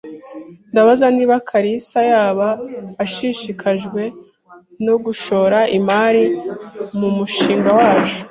Ndabaza niba kalisa yaba ashishikajwe no gushora imari mumushinga wacu.